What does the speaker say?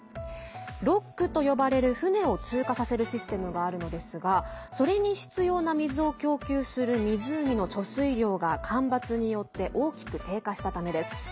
ロックと呼ばれる船を通過させるシステムがあるのですがそれに必要な水を供給する湖の貯水量が干ばつによって大きく低下したためです。